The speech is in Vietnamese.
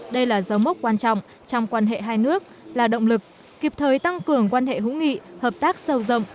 đây là dấu mốc quan trọng trong quan hệ hai nước là động lực kịp thời tăng cường quan hệ hữu nghị hợp tác sâu rộng